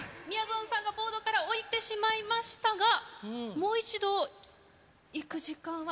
んさんがボードから下りてしまいましたが、もう一度いく時間は？